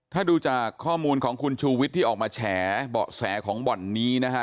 ถ้าดูจากข้อมูลของคุณชูวิทย์ที่ออกมาแฉเบาะแสของบ่อนนี้นะฮะ